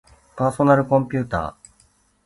パーソナルコンピューター